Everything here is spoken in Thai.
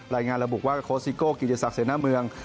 รายงานระบุว่าโคสิโก้กิจสักเศรษฐ์หน้าเมือง